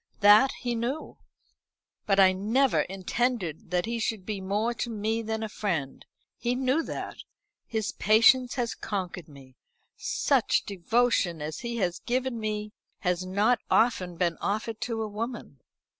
That he knew. But I never intended that he should be more to me than a friend. He knew that. His patience has conquered me. Such devotion as he has given me has not often been offered to a woman.